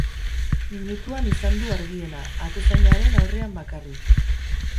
Minutuan izan du argiena, atezainaren aurrean bakarrik.